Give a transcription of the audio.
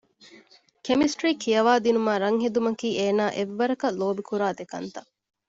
ކެމިސްޓަރީ ކިޔަވައިދިނުމާއި ރަންހެދުމަކީ އޭނާ އެއްވަރަކަށް ލޯބިކުރާ ދެކަންތައް